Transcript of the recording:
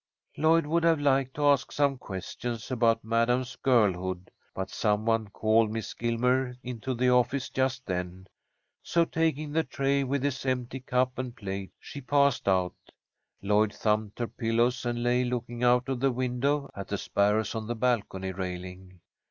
Lloyd would have liked to ask some questions about Madam's girlhood, but some one called Miss Gilmer into the office just then, so, taking the tray with its empty cup and plate, she passed out. Lloyd thumped her pillows and lay looking out of the window at the sparrows on the balcony railing.